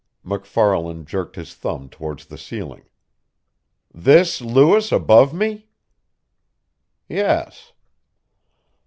MacFarlan jerked his thumb towards the ceiling. "This Lewis above me?" "Yes."